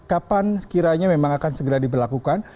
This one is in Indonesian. kapan kiranya memang akan segera diberlakukan